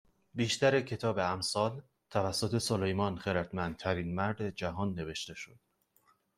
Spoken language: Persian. بیشتر کتاب امثال توسط سلیمان خردمندترین مرد جهان نوشته شد